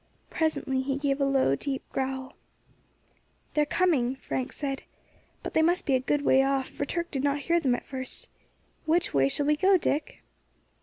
Presently he gave a low, deep growl. "They are coming," Frank said; "but they must be a good way off, for Turk did not hear them at first. Which way shall we go, Dick?"